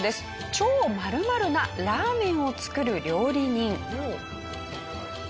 超○○なラーメンを作る料理人。